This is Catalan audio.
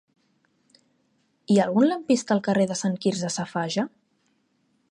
Hi ha algun lampista al carrer de Sant Quirze Safaja?